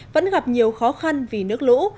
vẫn gặp nhiều khó khăn vì nước lũ